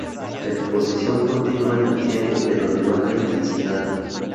Exposición continua en el tiempo pero de baja intensidad.